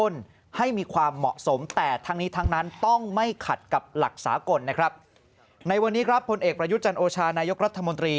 ในวันนี้ครับคุณเอกรับรายุจันโอชานายกรัฐมนตรี